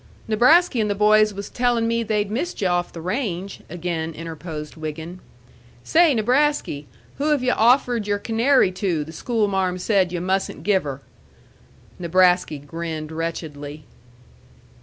"Nebrasky and the boys was tellin' me they'd missed yu' off the range," again interposed Wiggin. "Say, Nebrasky, who have yu' offered your canary to the schoolmarm said you mustn't give her?" Nebrasky grinned wretchedly.